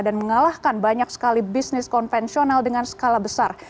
dan mengalahkan banyak sekali bisnis konvensional dengan skala besar